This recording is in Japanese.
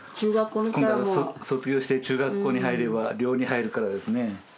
今度は卒業して中学校に入れば寮に入るからですね